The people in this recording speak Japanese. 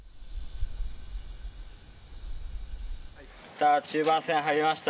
さあ中盤戦に入りました。